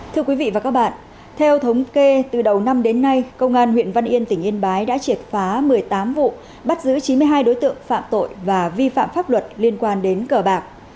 thưa quý vị và các bạn theo thống kê từ đầu năm đến nay công an huyện văn yên tỉnh yên bái đã triệt phá một mươi tám vụ bắt giữ chín mươi hai đối tượng phạm tội và vi phạm pháp luật liên quan đến cờ bạc